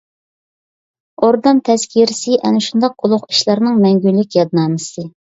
ئوردام تەزكىرىسى ئەنە شۇنداق ئۇلۇغ ئىشلارنىڭ مەڭگۈلۈك يادنامىسى.